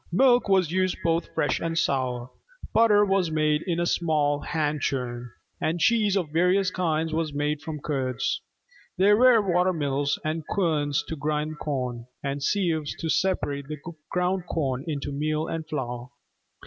Milk was used both fresh and sour: butter was made in a small hand churn; and cheese of various kinds was made from curds. There were water mills and querns to grind corn, and sieves to separate the ground corn into meal and flour.